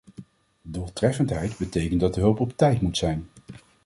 Doeltreffendheid betekent dat de hulp op tijd moet zijn.